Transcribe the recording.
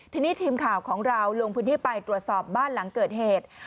ทีนี้ทีมข่าวของเราลงพื้นที่ไปตรวจสอบบ้านหลังเกิดเหตุ